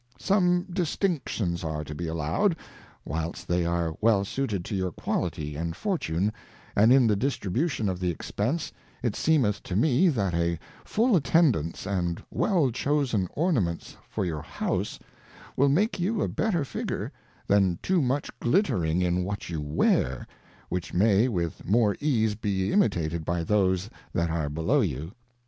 Some distinctions are to be allowed, whilst they are well suited to your Quality and Fortune, and in the distribution of the Expence, it seemeth to me that a full Attendance, and well chosen Ornaments for your House, will make you a better Figure, than too much glittering in what you wear, which may with more ease be imitated by those that are below you.